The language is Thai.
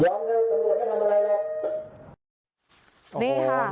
ย้อนด้วยตำรวจก็ทำอะไรแล้ว